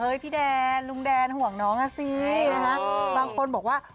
พี่แดนลุงแดนห่วงน้องอ่ะสินะฮะบางคนบอกว่า